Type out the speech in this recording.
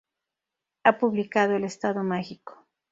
Ha publicado "El estado mágico.